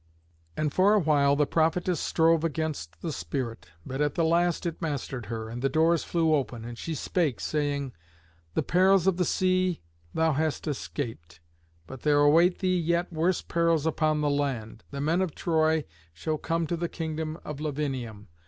And for awhile the prophetess strove against the spirit; but at the last it mastered her, and the doors flew open, and she spake, saying, "The perils of the sea thou hast escaped, but there await thee yet worse perils upon the land. The men of Troy shall come to the kingdom of Lavinium.